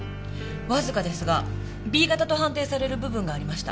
わずかですがＢ型と判定される部分がありました。